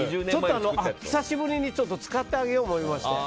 久しぶりに使ってあげよう思いまして。